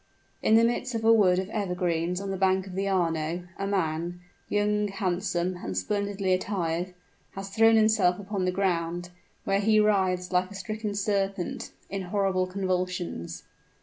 In the midst of a wood of evergreens on the banks of the Arno, a man young, handsome, and splendidly attired has thrown himself upon the ground, where he writhes like a stricken serpent, in horrible convulsions.